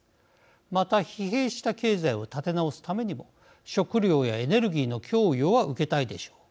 また、疲弊した経済を立て直すためにも食料やエネルギーの供与は受けたいでしょう。